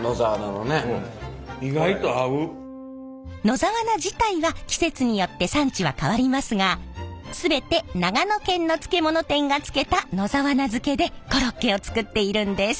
野沢菜自体は季節によって産地は変わりますが全て長野県の漬物店が漬けた野沢菜漬けでコロッケを作っているんです。